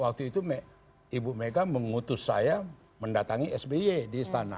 waktu itu ibu mega mengutus saya mendatangi sby di istana